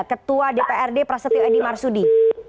ketua dprd prasetyo edi marsudi